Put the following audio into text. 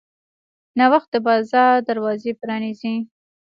نوښت د بازار دروازې پرانیزي.